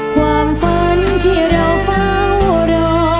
ความฝันที่เราเฝ้ารอ